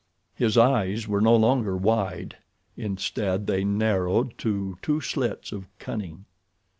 His eyes were no longer wide. Instead they narrowed to two slits of cunning.